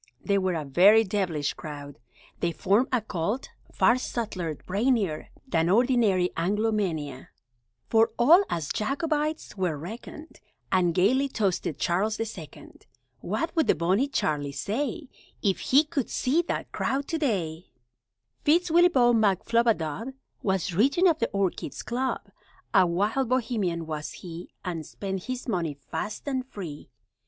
They were a very devilish crowd! They formed a Cult, far subtler, brainier, Than ordinary Anglomania, For all as Jacobites were reckoned, And gaily toasted Charles the Second! (What would the Bonnie Charlie say, If he could see that crowd to day?) Fitz Willieboy McFlubadub Was Regent of the Orchids' Club; A wild Bohemian was he, And spent his money fast and free.